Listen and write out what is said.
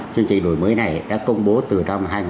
chương trình đổi mới này đã công bố từ năm hai nghìn một mươi